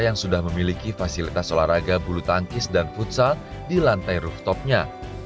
yang sudah memiliki fasilitas olahraga bulu tangkis dan futsal di lantai rooftopnya